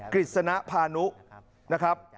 กริจสนภานุนะครับ